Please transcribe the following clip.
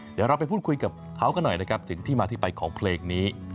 เดี๋ยวเราไปพูดคุยกับเขากันหน่อยนะครับถึงที่มาที่ไปของเพลงนี้